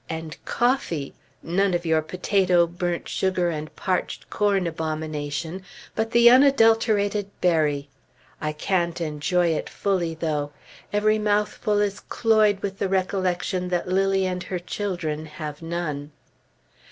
And coffee! None of your potato, burnt sugar, and parched corn abomination, but the unadulterated berry! I can't enjoy it fully, though; every mouthful is cloyed with the recollection that Lilly and her children have none.